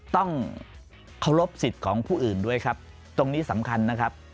ต้องเคารพสิทธิ์ของผู้อื่นด้วยครับตรงนี้สำคัญนะครับ